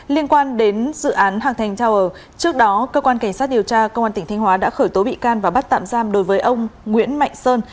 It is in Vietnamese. liên quan đến dự án hạc thành tower trước đó cơ quan cảnh sát điều tra công an tỉnh thanh hóa đã khởi tố bị can và bắt tạm giam đối với ông nguyễn mạnh sơn